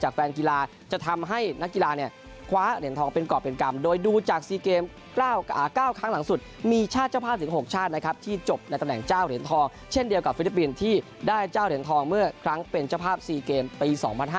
เจ้าเหรียญทองเช่นเดียวกับฟิลิปปินท์ที่ได้เจ้าเหรียญทองเมื่อครั้งเป็นเจ้าภาพ๔เกมปี๒๐๐๕